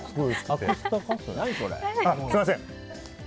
すみません。